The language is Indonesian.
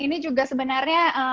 ini juga sebenarnya